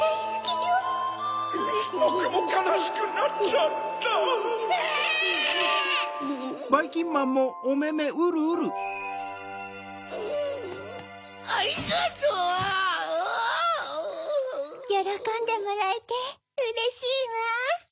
よろこんでもらえてうれしいわ。